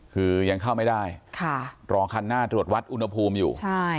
คือยังเข้าไม่ได้รอคันหน้าตรวจวัดอุณหภูมิอยู่ใช่